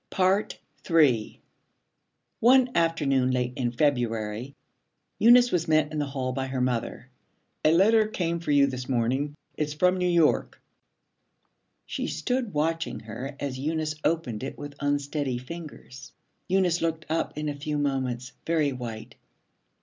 III One afternoon late in February, Eunice was met in the hall by her mother. 'A letter came for you this morning. It's from New York.' She stood watching her as Eunice opened it with unsteady fingers. Eunice looked up in a few moments, very white.